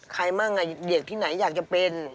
มั่งเด็กที่ไหนอยากจะเป็น